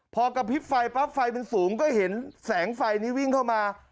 พอกระพริบไฟปั๊บไฟมันสูงก็เห็นแสงไฟนี้วิ่งเข้ามา